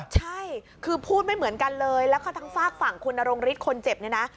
ใช่คือพูดไม่เหมือนกันเลยแล้วก็ทั้งฝากฝั่งคุณนรงฤทธิ์คนเจ็บเนี่ยนะ